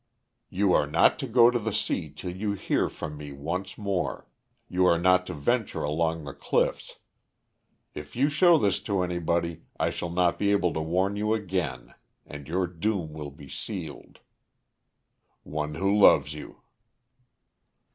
You are not to go on the sea till you hear from me once more; you are not to venture along the cliffs. If you show this to anybody I shall not be able to warn you again, and your doom will be sealed. ONE WHO LOVES YOU."